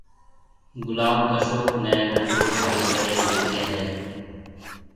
گلاب اشوڪ نيَ ننڊو ڀائيَ ڪرَي ليکيَ ھيََََ